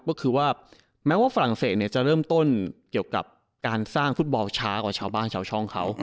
ก็คือว่าแม้ว่าฝรั่งเศสจะเริ่มต้นเกี่ยวกับการสร้างฟุตบอลช้ากว่าชาวบ้านชาวช่องเขา